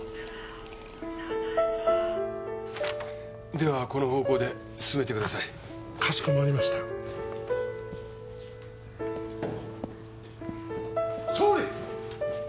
ではこの方向で進めてくださいかしこまりました総理！